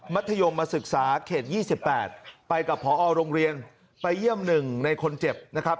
ธยมมาศึกษาเขต๒๘ไปกับพอโรงเรียนไปเยี่ยม๑ในคนเจ็บนะครับ